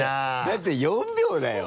だって４秒だよ？